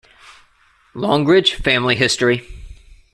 Longridge Family History.